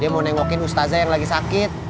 dia mau jalan jalan ke rumah ustazah yang lagi sakit